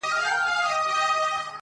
سړي وویل قسم دی چي مسکین یم.!